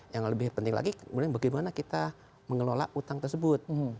yang lebih penting lagi bagaimana kita mengelola utang tersebut